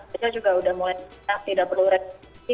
kita juga udah mulai tidak perlu resipi